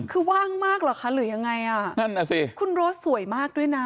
คือว่างมากเหรอคะหรือยังไงอ่ะนั่นน่ะสิคุณโรสสวยมากด้วยนะ